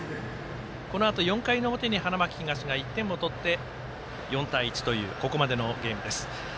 このあと４回の表に花巻東が１点を取って、４対１というここまでのゲームです。